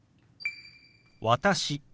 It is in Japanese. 「私」。